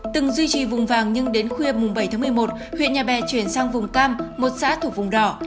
từng duy trì vùng vàng nhưng đến khuya bảy một mươi một huyện nhà bè chuyển sang vùng cam một xã thuộc vùng đỏ